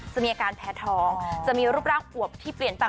มีอาการแพ้ท้องจะมีรูปร่างอวบที่เปลี่ยนตาม